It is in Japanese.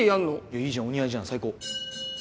いいじゃんお似合いじゃん最高！